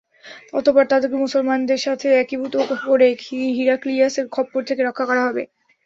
অতঃপর তাদেরকে মুসলমানদের সাথে একীভূত করে হিরাক্লিয়াসের খপ্পর থেকে রক্ষা করা হবে।